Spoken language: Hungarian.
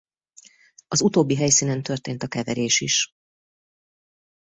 Az utóbbi helyszínen történt a keverés is.